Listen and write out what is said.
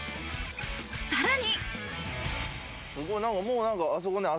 さらに。